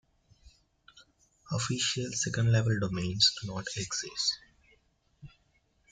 Official second-level domains do not exist.